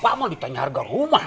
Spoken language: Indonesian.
bapak mau ditanya harga rumah